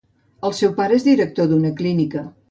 El seu pare és director d'una clínica.